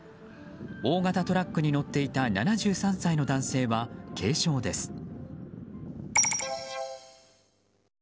大型トラックに乗っていた７３歳の男性は軽傷です。